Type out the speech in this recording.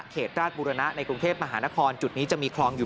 ราชบุรณะในกรุงเทพมหานครจุดนี้จะมีคลองอยู่